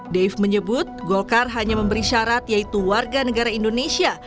dave menyebut golkar hanya memberi syarat yaitu warga negara indonesia